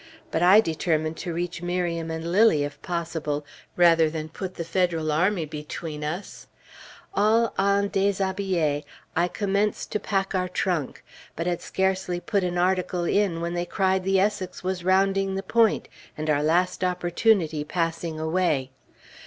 But I determined to reach Miriam and Lilly if possible, rather than put the Federal army between us. All en déshabillé, I commenced to pack our trunk, but had scarcely put an article in when they cried the Essex was rounding the point, and our last opportunity passing away.